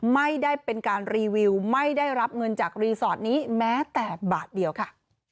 ไม่ได้เป็นการรีวิวไม่ได้รับเงินจากรีสอร์ทนี้แม้แต่บาทเดียวค่ะ